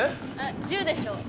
１０でしょ？